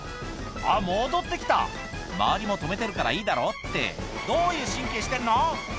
あっ戻って来た「周りも止めてるからいいだろ」ってどういう神経してるの？